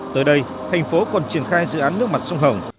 tới đây thành phố còn triển khai dự án nước mặt sông hồng